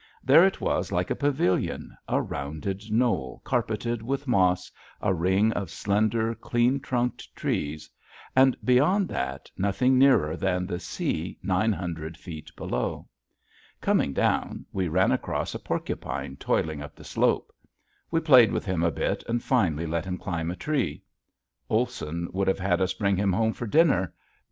There it was like a pavilion, a round knoll carpeted with moss, a ring of slender, clean trunked trees; and beyond that nothing nearer than the sea nine hundred feet below. Coming down we ran across a porcupine toiling up the slope. We played with him a bit and finally let him climb a tree. Olson would have had us bring him home for dinner.